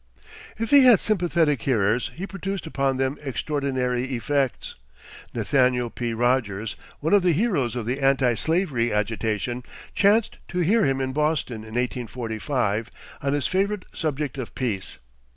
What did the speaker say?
If he had sympathetic hearers, he produced upon them extraordinary effects. Nathaniel P. Rogers, one of the heroes of the Anti slavery agitation, chanced to hear him in Boston in 1845 on his favorite subject of Peace.